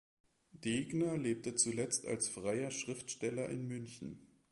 Degner lebte zuletzt als freier Schriftsteller in München.